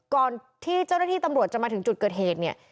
ก่อนที่เจ้าหน้าที่ตำรวจจะมาถึงจุดเกิดเหตุเนี่ย